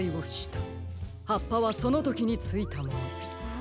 はっぱはそのときについたもの。